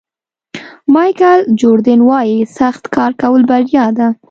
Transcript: مایکل جوردن وایي سخت کار کول بریا ده.